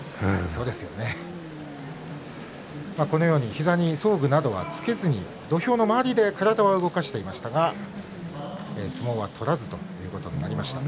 膝に装具などはつけずに土俵の周りで体は動かしていましたが相撲は取らずということになりました。